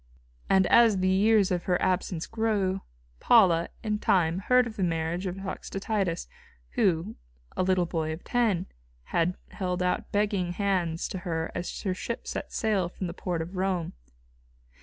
And as the years of her absence grew, Paula, in time, heard of the marriage of Toxotius, who, a little boy of ten, had held out begging hands to her as her ship set sail from the port of Rome.